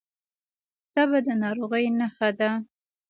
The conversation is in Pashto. تبه د ناروغۍ نښه ده